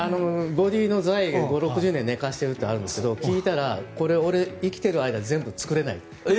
ボディーの材５０６０年寝かせているのがあるんですが聞いたら、俺が生きている間に全部、作れないと。